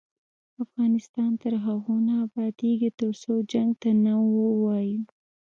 افغانستان تر هغو نه ابادیږي، ترڅو جنګ ته نه ووایو.